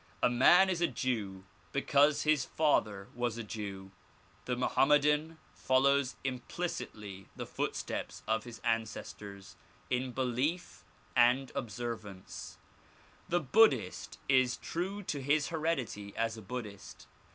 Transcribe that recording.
A man is a Jew because his father was a Jew. The Moham medan follows implicitly the footsteps of his ancestors in belief and 140 THE PROMULGATION OF UNIVERSAL PEACE observance. The Buddhist is true to his heredity as a Buddhist.